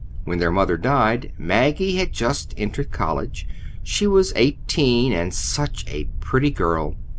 When their mother died, Maggie had just entered college. She was eighteen, and such a pretty girl!